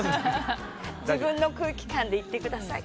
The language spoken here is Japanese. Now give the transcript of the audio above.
自分の空気感でいってください。